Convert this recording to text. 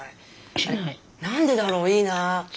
何でだろういいな。